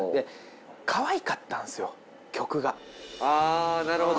あなるほど。